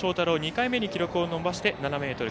２回目に記録を伸ばして７ｍ９６。